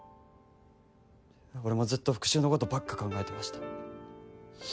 俺もずっと復讐のことばっか考えてました。